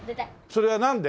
それはなんで？